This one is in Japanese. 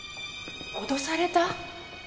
脅された？